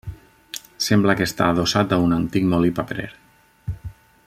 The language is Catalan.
Sembla que està adossat a un antic molí paperer.